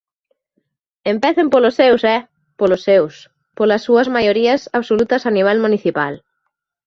Empecen polos seus, ¡eh!, polos seus, polas súas maiorías absolutas a nivel municipal.